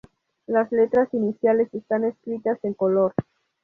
Las letras iniciales están escritas en color.